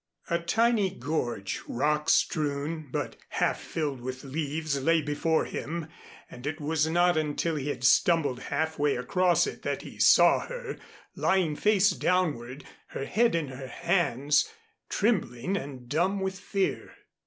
A tiny gorge, rock strewn, but half filled with leaves, lay before him, and it was not until he had stumbled halfway across it that he saw her, lying face downward, her head in her hands, trembling and dumb with fear.